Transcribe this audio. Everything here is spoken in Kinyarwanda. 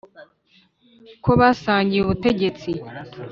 ko basangiye ubutegetsi.